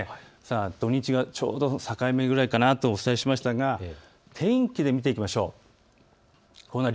土日がちょうど境目くらいかなとお伝えしましたが天気で見ていきましょう。